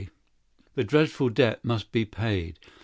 That dreadful debt must be paid.